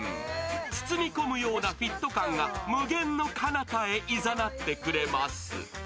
包み込むようなフィット感が無限の彼方へ誘ってくれます。